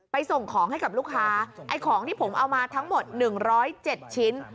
ส่งของให้กับลูกค้าไอ้ของที่ผมเอามาทั้งหมด๑๐๗ชิ้น